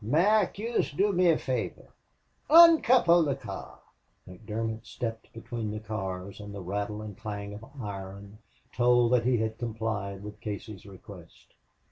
"Mac, yez do me a favor. Uncouple the car." McDermott stepped between the cars and the rattle and clank of iron told that he had complied with Casey's request.